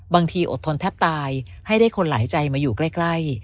อดทนแทบตายให้ได้คนหลายใจมาอยู่ใกล้